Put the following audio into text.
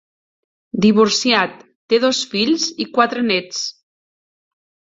Divorciat, té dos fills i quatre néts.